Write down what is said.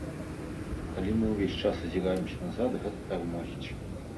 А калі мы ўвесь час азіраемся назад, гэта тармозіць.